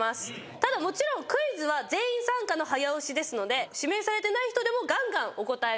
ただクイズは全員参加の早押しですので指名されてない人でもがんがんお答えください。